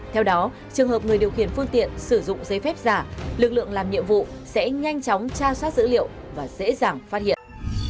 theo đó trường hợp người điều khiển phương tiện sử dụng giấy phép giả lực lượng làm nhiệm vụ sẽ nhanh chóng tra soát dữ liệu và dễ dàng phát hiện